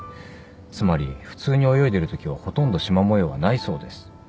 つまり普通に泳いでるときはほとんどしま模様はないそうです。